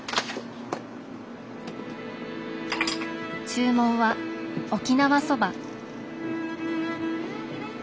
注文は沖縄そば。